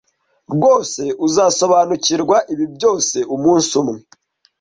rwose uzasobanukirwa ibi byose umunsi umwe.